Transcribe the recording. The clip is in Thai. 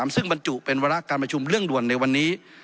ซึ่งบรรจุเป็นวาระการประชุมเรื่องด่วนในวันนี้